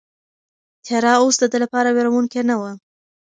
تیاره اوس د ده لپاره وېروونکې نه وه.